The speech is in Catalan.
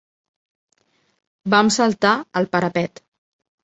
Vam saltar el parapet.